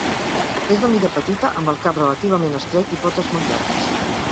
És de mida petita, amb el cap relativament estret, i potes molt llargues.